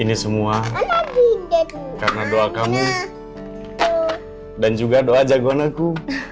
ini semua karena doa kamu dan juga doa jagoan aku